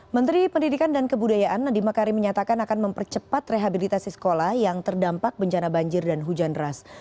menteri pendidikan dan kebudayaan nadiem makari menyatakan akan mempercepat rehabilitasi sekolah yang terdampak bencana banjir dan hujan deras